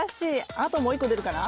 あともう一個出るかな？